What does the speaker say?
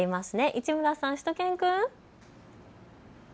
市村さん、しゅと犬くん。